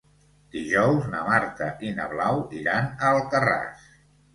Dijous na Marta i na Blau iran a Alcarràs.